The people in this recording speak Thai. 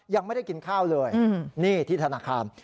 ยังไม่ได้กินข้าวเลยนี่ที่ธนาคาร